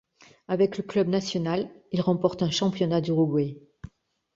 Avec le Club Nacional, il remporte un championnat d'Uruguay.